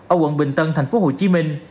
ở quận bình tân tp hcm